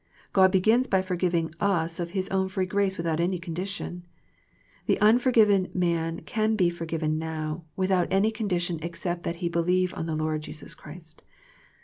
God begins by forgiving us of His own free grace without any condition. The un forgiven man can be forgiven now, without any condition except that he believe on the Lord Jesus Christ.